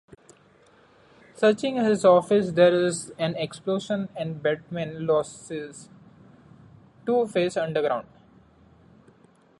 Searching his office, there is an explosion and Batman loses Two-Face underground.